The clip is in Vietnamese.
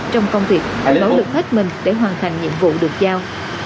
trong công việc nỗ lực hết mình để hoàn thành nhiệm vụ được giao